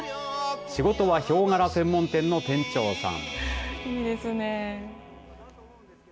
仕事はひょう柄専門店の店長さん。